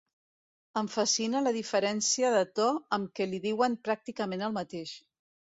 Em fascina la diferència de to amb què li diuen pràcticament el mateix.